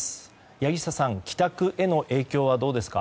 柳下さん、帰宅への影響はいかがでしょうか。